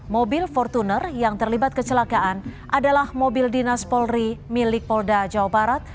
mobil fortuner yang terlibat kecelakaan adalah mobil dinas polri milik polda jawa barat